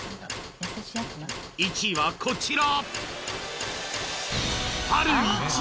１位はこちら